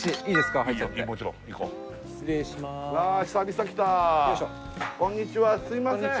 すいません。